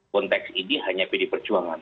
konteks ini hanya pd perjuangan